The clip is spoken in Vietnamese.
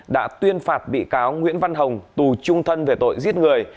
đã tuyên phạt bị cáo nguyễn văn hồng tù trung thân về tội giết người